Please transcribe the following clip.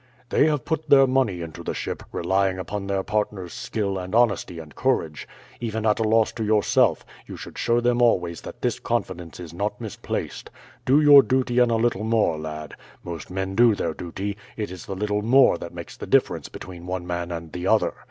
"They have put their money into the ship, relying upon their partner's skill and honesty and courage. Even at a loss to yourself you should show them always that this confidence is not misplaced. Do your duty and a little more, lad. Most men do their duty. It is the little more that makes the difference between one man and the other.